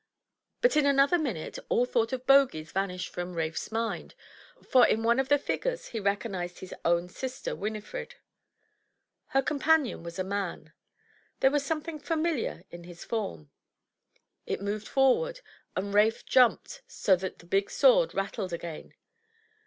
But in another minute all thought of Bogies vanished from Ralph's mind, for in one of the figures he recognized his own sister Winifred. Her companion was a man. There was something familiar in his form. It moved forward, and Ralph jumped so that the big sword rattled again.